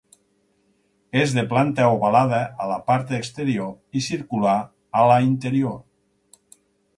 És de planta ovalada a la part exterior i circular a la interior.